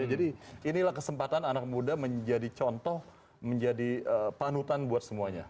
jadi inilah kesempatan anak muda menjadi contoh menjadi panutan buat semuanya